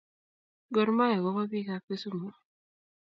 Gor mahia ko ba pik ab kisumu